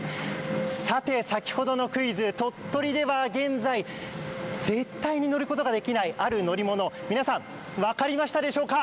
さて先ほどのクイズ、鳥取では現在絶対に乗ることができないある乗り物皆さん、分かりましたでしょうか。